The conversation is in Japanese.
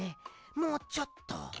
もうちょっと。